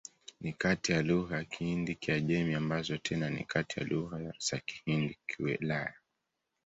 Ni kati ya lugha za Kihindi-Kiajemi, ambazo tena ni kati ya lugha za Kihindi-Kiulaya.